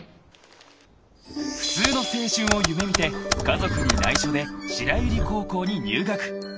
［普通の青春を夢見て家族に内緒で白百合高校に入学］